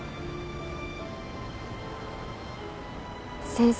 先生。